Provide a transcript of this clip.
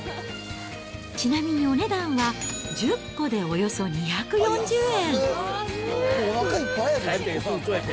ちなみにお値段は１０個でおよそ２４０円。